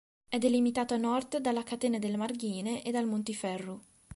È delimitato a Nord dalla catena del Marghine e dal Montiferru.